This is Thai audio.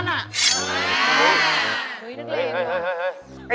เฮ้ยเฮ้ยเฮ้ย